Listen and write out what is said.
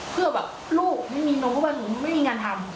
เพื่อแบบลูกไม่มีนมเพราะว่าหนูไม่มีงานทำ